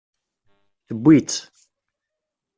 Tewwi-tt.